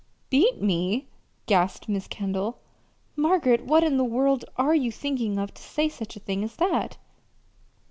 "Beat me!" gasped Mrs. Kendall. "Margaret, what in the world are you thinking of to say such a thing as that?"